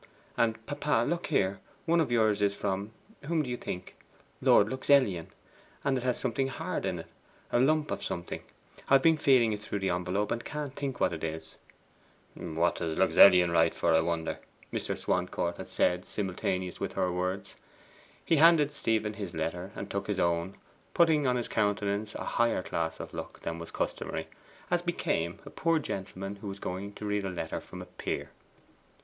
And, papa, look here, one of yours is from whom do you think? Lord Luxellian. And it has something HARD in it a lump of something. I've been feeling it through the envelope, and can't think what it is.' 'What does Luxellian write for, I wonder?' Mr. Swancourt had said simultaneously with her words. He handed Stephen his letter, and took his own, putting on his countenance a higher class of look than was customary, as became a poor gentleman who was going to read a letter from a peer.